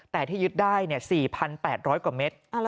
แต่ที่ยึดได้๔๘๐๐กว่าเมตร